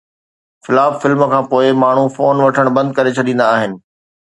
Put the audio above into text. flop film کان پوءِ ماڻهو فون وٺڻ بند ڪري ڇڏيندا آهن